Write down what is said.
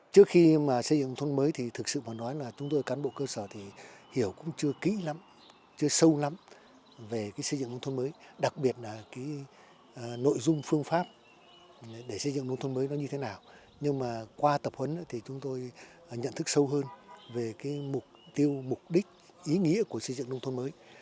chúng tôi nhận thức sâu hơn về mục đích ý nghĩa của xây dựng nông thôn mới